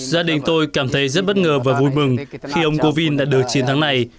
gia đình tôi cảm thấy rất bất ngờ và vui mừng khi ông kovind đã được chiến thắng này